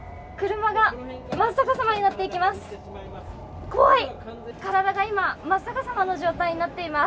車が真っ逆さまになっていきます